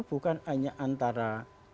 bukan hanya antara